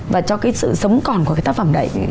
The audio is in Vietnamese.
và cho cái sự sống còn của cái tác phẩm đấy